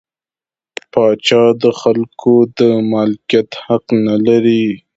پاچا د خلکو د مالکیت حق نلري.